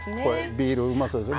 ビールうまそうですね。